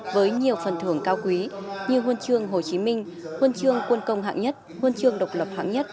với nhiều phần thưởng cao quý như huân chương hồ chí minh huân chương quân công hạng nhất huân chương độc lập hạng nhất